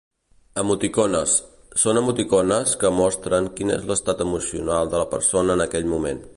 Emoticones: són emoticones que mostren quin és l'estat emocional de la persona en aquell moment.